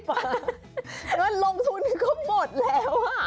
เพราะว่าลงทุนก็หมดแล้ว